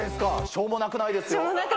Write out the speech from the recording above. しょうもなくないですか？